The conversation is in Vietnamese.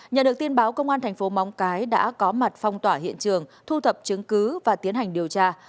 nhờ được tin báo công an thành phố móng cái đã có mặt phong tỏa hiện trường thu thập chứng cứ và tiến hành điều tra